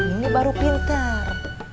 ini baru pinter